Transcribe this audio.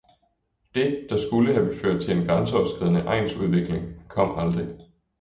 Det, der skulle have ført til en grænseoverskridende egnsudvikling kom aldrig.